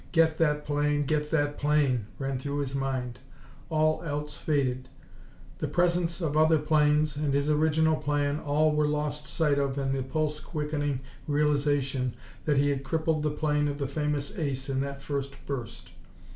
Get that plane, get that plane! ran through his mind. All else faded. The presence of other planes, and his original plan, all were lost sight of in the pulse quickening realization that he had crippled the plane of the famous ace in that first burst.